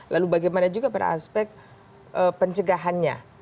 lalu bagaimana juga pada aspek pencegahannya